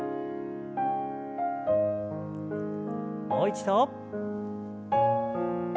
もう一度。